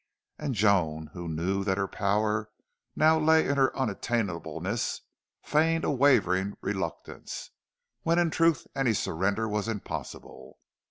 And Joan, who knew that her power now lay in her unattainableness, feigned a wavering reluctance, when in truth any surrender was impossible.